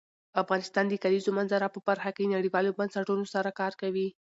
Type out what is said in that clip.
افغانستان د د کلیزو منظره په برخه کې نړیوالو بنسټونو سره کار کوي.